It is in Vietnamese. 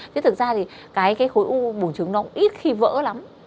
thế thực ra thì cái khối u bùn trứng nó cũng ít khi vỡ lắm